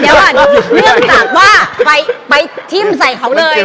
แต่ว่าไปที่มใส่เขาเลย